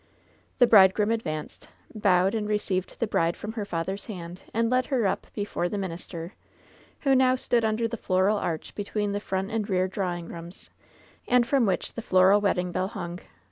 The bridegroom advanced, bowed and received the bride from her father^s hand and led her up before the minister, who now stood under the floral arch between the front and rear drawing rooms, and from which the floral wedding bell hung.